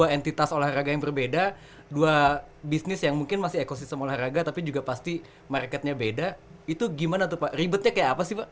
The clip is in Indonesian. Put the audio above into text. entitas olahraga yang berbeda dua bisnis yang mungkin masih ekosistem olahraga tapi juga pasti marketnya beda itu gimana tuh pak ribetnya kayak apa sih pak